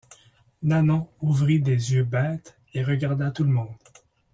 Nanon ouvrit des yeux bêtes et regarda tout le monde.